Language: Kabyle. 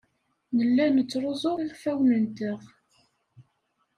Nella nettruẓu iɣfawen-nteɣ.